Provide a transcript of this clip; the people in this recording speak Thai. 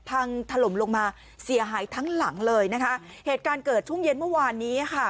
พังถล่มลงมาเสียหายทั้งหลังเลยนะคะเหตุการณ์เกิดช่วงเย็นเมื่อวานนี้ค่ะ